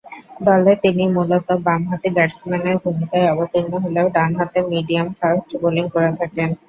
দলে তিনি মূলতঃ বামহাতি ব্যাটসম্যানের ভূমিকায় অবতীর্ণ হলেও ডানহাতে মিডিয়াম-ফাস্ট বোলিং করে থাকেন।